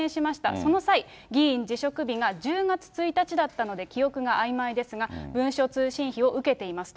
その際、議員辞職日が１０月１日だったので、記憶があいまいですが、文書通信費を受けていますと。